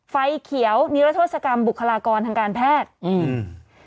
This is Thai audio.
ไฟเขียวนิรโทษกรรมบุคลากรทางการแพทย์อืม